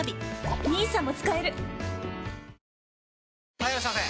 ・はいいらっしゃいませ！